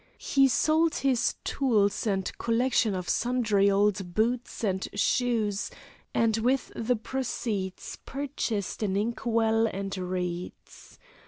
He sold his tools and collection of sundry old boots and shoes, and, with the proceeds purchased an inkwell and reeds.